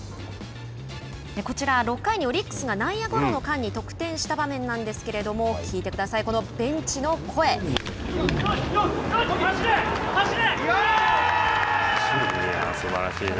こちら、６回にオリックスが内野ゴロの間に得点した場面なんですけれども走れ走れ。